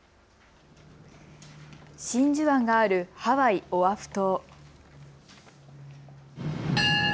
真珠湾があるハワイ・オアフ島。